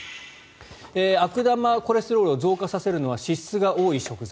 悪玉コレステロールを増加させるのは脂質が多い食材。